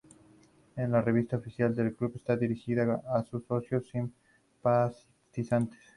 El vehículo luego fue incendiado.